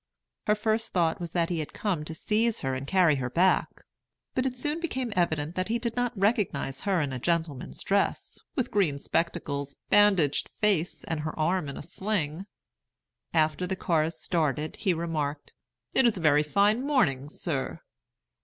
Her first thought was that he had come to seize her and carry her back; but it soon became evident that he did not recognize her in a gentleman's dress, with green spectacles, bandaged face, and her arm in a sling. After the cars started, he remarked, "It is a very fine morning, sir."